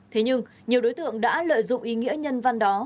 thế nhưng nhiều đối tượng đã lợi dụng ý nghĩa nhân văn đó